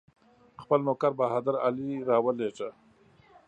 خپل نوکر بهادر علي راولېږه.